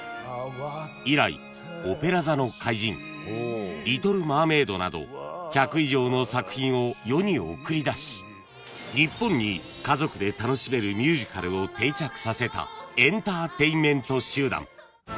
［以来『オペラ座の怪人』『リトルマーメイド』など１００以上の作品を世に送り出し日本に家族で楽しめるミュージカルを定着させたエンターテインメント集団］